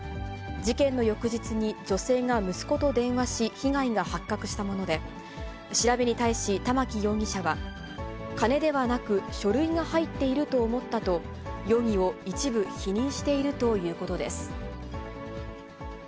事件の翌日に女性が息子と電話し、被害が発覚したもので、調べに対し玉城容疑者は、金ではなく書類が入っていると思ったと、容疑を一部否認しているということです。